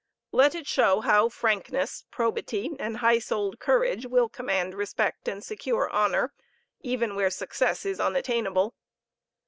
Let it show how frankness, probity, and high souled courage will command respect and secure honor, even where success is unattainable.